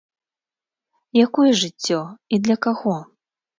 Якое жыццё і для каго?